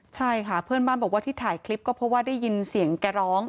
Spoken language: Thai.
ใช่ค่ะเพื่อนบ้านบอกว่าที่ถ่ายคลิปก็เพราะว่าได้ยินเสียงแกร้อง